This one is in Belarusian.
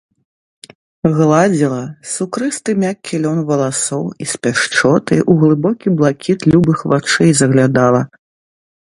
Гладзіла сукрысты мяккі лён валасоў і з пяшчотай у глыбокі блакіт любых вачэй заглядала.